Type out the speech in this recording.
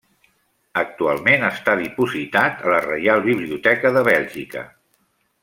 Actualment està dipositat a la Reial Biblioteca de Bèlgica.